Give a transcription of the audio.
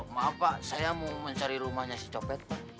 maaf pak saya mau mencari rumahnya si copet